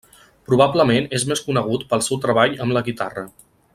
Probablement és més conegut pel seu treball amb la guitarra.